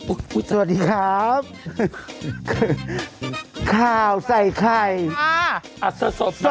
ออเออสวัสดีครับข้าวใส่ไข่มาอาสอบสด